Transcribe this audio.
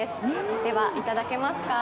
では、いただけますか。